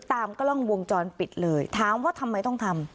ตามกล้องวงจรปิดเลยถามว่าทำไมต้องทำ